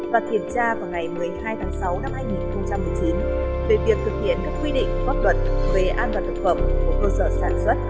và kiểm tra vào ngày một mươi hai tháng sáu năm hai nghìn một mươi chín về việc thực hiện các quy định pháp luật về an toàn thực phẩm của cơ sở sản xuất